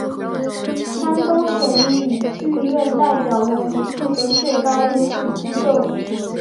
山东省吕剧院代表了吕剧的最高艺术机构。